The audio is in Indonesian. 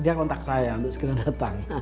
dia kontak saya untuk segera datang